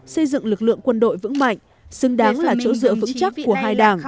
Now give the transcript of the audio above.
xây dựng lực lượng quân đội vững mạnh xứng đáng là chỗ dựa vững chắc của hai đảng